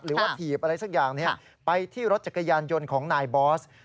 ถีบอะไรสักอย่างไปที่รถจักรยานยนต์ของนายบอส